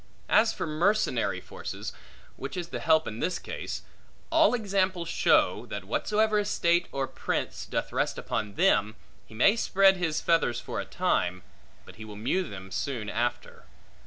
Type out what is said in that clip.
As for mercenary forces (which is the help in this case), all examples show, that whatsoever estate or prince doth rest upon them, he may spread his feathers for a time, but he will mew them soon after.